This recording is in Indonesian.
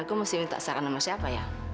aku mesti minta saran sama siapa ya